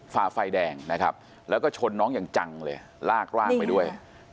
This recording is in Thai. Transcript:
ฝ่าไฟแดงนะครับแล้วก็ชนน้องอย่างจังเลยลากร่างไปด้วย